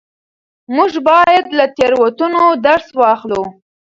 موږ باید له تېروتنو درس واخلو.